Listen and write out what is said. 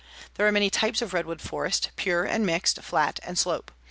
There are many types of redwood forest, pure and mixed, flat and slope.